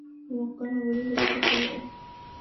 মক্কা নগরী রক্ষা কর।